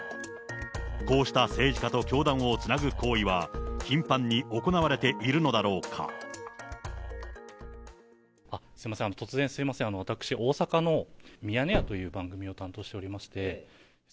こうした政治家と教団をつなぐ行為は、頻繁に行われているのだろすみません、突然すみません、私、大阪のミヤネ屋という番組を担当しておりまして。